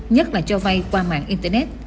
nhất là cho vay qua mạng internet